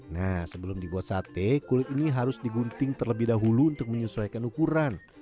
nah sebelum dibuat sate kulit ini harus digunting terlebih dahulu untuk menyesuaikan ukuran